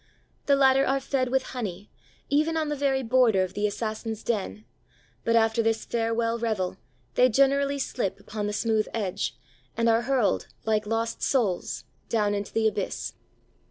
The latter are fed with honey, even on the very border of the assassin's den, but after this farewell revel they generally slip upon the smooth edge, and are hurled, like lost souls, down into the abyss."